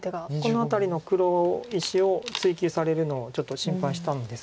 この辺りの黒石を追及されるのをちょっと心配したんです。